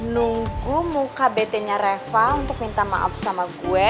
nunggu muka betenya reva untuk minta maaf sama gue